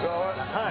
はい。